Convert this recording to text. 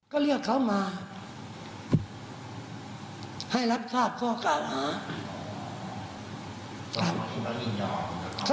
ก็เรียกเขามาให้รับฆ่าข้อการฮะ